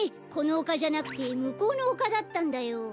このおかじゃなくてむこうのおかだったんだよ。